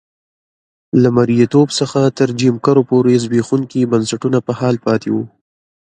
له مریتوب څخه تر جیم کرو پورې زبېښونکي بنسټونه په حال پاتې وو.